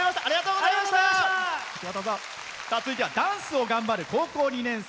続いてはダンスを頑張る高校２年生。